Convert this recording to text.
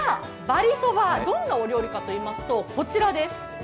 ばりそば、どんなお料理かといいますと、こちらです。